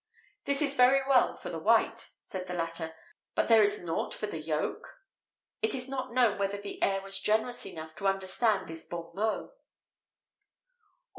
"This is very well for the white," said the latter, "but is there nought for the yolk?"[XVIII 70] It is not known whether the heir was generous enough to understand this bon mot.